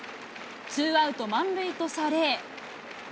ツーアウト満塁とされ。